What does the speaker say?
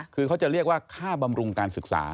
คือเขาจะเรียกว่าค่าบำรุงการศึกษา